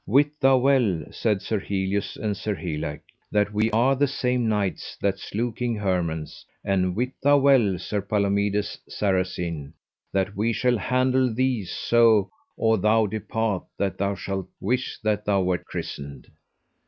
Wit thou well, said Sir Helius and Sir Helake, that we are the same knights that slew King Hermance; and wit thou well, Sir Palomides Saracen, that we shall handle thee so or thou depart that thou shalt wish that thou wert christened.